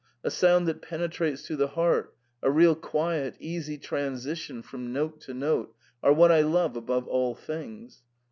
A sound that penetrates to the heart, a real quiet, easy transition from note to note, are what I love above all things.